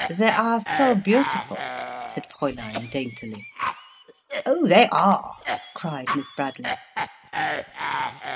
"They are so beautiful," said Fräulein daintily. "Oh, they are," cried Miss Bradley.